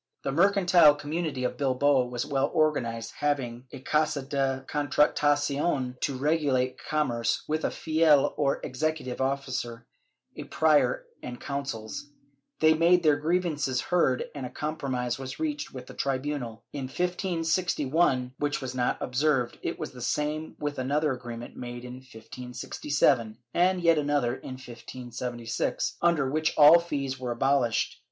The mercantile community of Bilbao was well organized, having a Casa de Contratacion to regulate com merce, with a Fiel or executive officer, a Prior and Consuls. They made their grievances heard and a compromise was reached with the tribunal, in 1561, which was not observed; it was the same with another agreement made in 1567 and yet another in 1576, under which all fees were abolished.